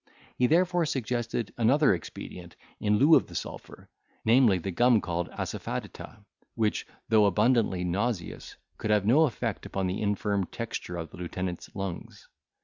He therefore suggested another expedient in lieu of the sulphur, namely, the gum called assafatida, which, though abundantly nauseous, could have no effect upon the infirm texture of the lieutenant's lungs.